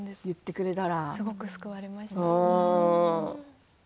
すごく救われました。